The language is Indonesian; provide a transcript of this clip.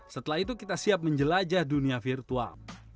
setelah itu kita siap menjelajah dunia virtual